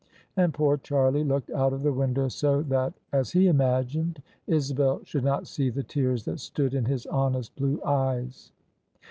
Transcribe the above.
And poor Charlie looked out of the window so that — ^as he imagined — Isabel should not see the tears that stood in his honest blue eyes.